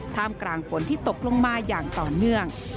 ท่ามกลางฝนที่ตกลงมาอย่างต่อเนื่อง